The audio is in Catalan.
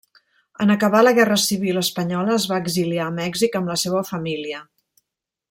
En acabar la guerra civil espanyola es va exiliar a Mèxic amb la seva família.